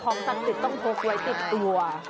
ของศักดิ์ติดต้องพกไว้ติดตัว